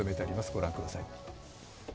ご覧ください。